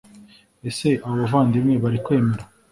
ese abo bavandimwe bari kwemera